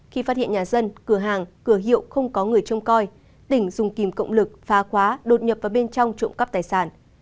khi phát hiện nhà dân cửa hàng cửa hiệu không có người trông coi tỉnh dùng kìm cộng lực phá khóa đột nhập vào bên trong trộm cắp tài sản